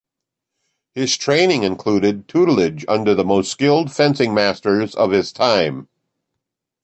His training included tutelage under the most skilled fencing masters of his time.